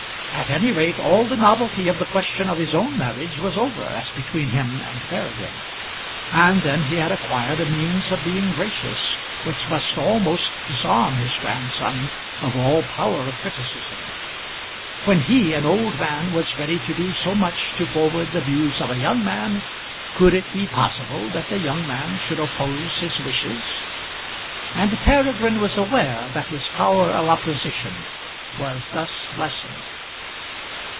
At any rate all the novelty of the question of his own marriage was over, as between him and Peregrine; and then he had acquired a means of being gracious which must almost disarm his grandson of all power of criticism. When he, an old man, was ready to do so much to forward the views of a young man, could it be possible that the young man should oppose his wishes? And Peregrine was aware that his power of opposition was thus lessened.